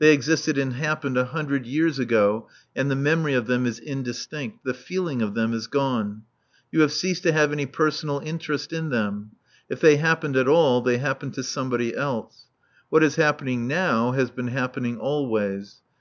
They existed and happened a hundred years ago and the memory of them is indistinct; the feeling of them is gone. You have ceased to have any personal interest in them; if they happened at all they happened to somebody else. What is happening now has been happening always.